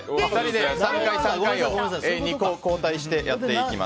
３回３回を交代してやっていきます。